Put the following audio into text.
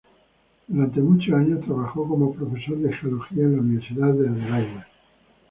Durante muchos años trabajó como profesor de geología en la Universidad de Adelaida.